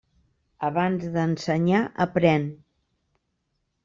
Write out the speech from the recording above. Abans d'ensenyar, aprèn.